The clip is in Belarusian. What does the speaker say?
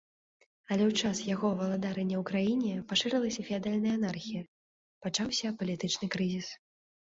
Але ў час яго валадарання ў краіне пашырылася феадальная анархія, пачаўся палітычны крызіс.